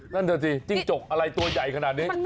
นั่นน่ะสิจิ้งจกอะไรตัวใหญ่ขนาดนี้